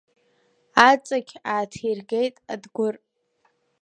Аҵықь ааҭиргеит Адгәыр.